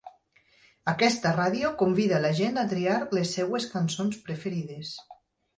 Aquesta ràdio convida la gent a triar les seves cançons preferides.